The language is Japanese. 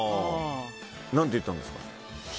何て言ったんですか？